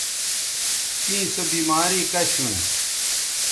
تیں سو بیماری کش ھون